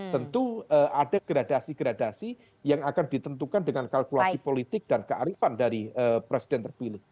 tentu ada gradasi gradasi yang akan ditentukan dengan kalkulasi politik dan kearifan dari presiden terpilih